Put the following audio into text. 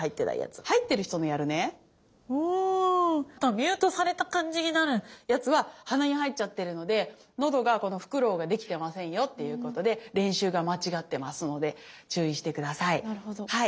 ミュートされた感じになるやつは鼻に入っちゃってるので喉がこのフクロウができてませんよっていうことで練習が間違ってますので注意して下さい。